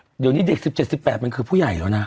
เดี๋ยวนี้เด็ก๑๗๑๘มันคือผู้ใหญ่แล้วนะ